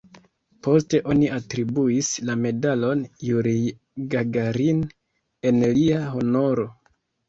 Poste oni atribuis la Medalon Jurij Gagarin en lia honoro.